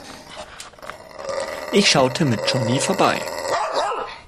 Ich schaute mit Johnny vorbei.